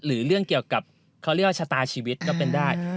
หรือเรื่องเกี่ยวกับเขาเรียกว่าชะตาชีวิตก็เป็นได้